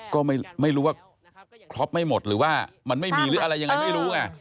ก็ไม่รู้ว่าครบไม่หมดหรือว่ามันไม่มีหรืออะไรยังไงไม่รู้ไง